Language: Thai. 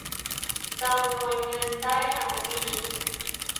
จำนวนเงินได้ทั้งปี